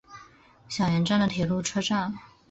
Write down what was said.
小岩站的铁路车站。